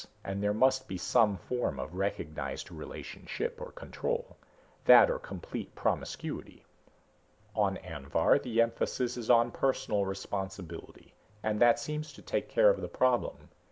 And there must be some form of recognized relationship or control that or complete promiscuity. On Anvhar the emphasis is on personal responsibility, and that seems to take care of the problem.